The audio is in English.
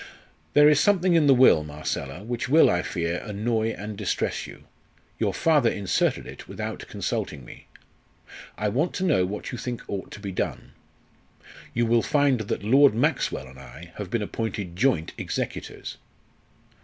"There is something in the will, Marcella, which will, I fear, annoy and distress you. Your father inserted it without consulting me. I want to know what you think ought to be done. You will find that Lord Maxwell and I have been appointed joint executors."